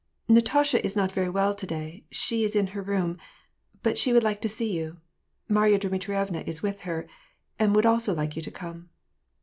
" Natasha is not very well to day ; she is in her room ; but she would like to see you. Marya Dmitrievna is with her, and would also like you to come."